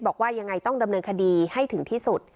บอกว่ายังไงต้องดำเนินคดีให้ถึงที่สุด